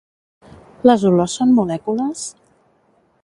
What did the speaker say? Les olors són molècules?